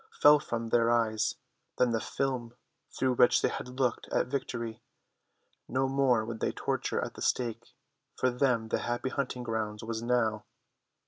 Fell from their eyes then the film through which they had looked at victory. No more would they torture at the stake. For them the happy hunting grounds was now.